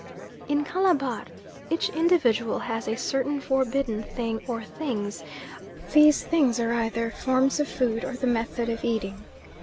In Calabar each individual has a certain forbidden thing or things. These things are either forms of food, or the method of eating.